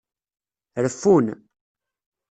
Reffun.